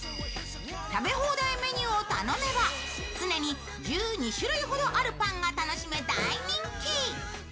食べ放題メニューを頼めば常に１２種類ほどあるパンが楽しめ大人気。